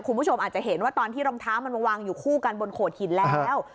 คุณผู้ชมอาจจะเห็นว่าตอนที่รองเท้ามันมาวางอยู่คู่กันบนโขดหินแล้ว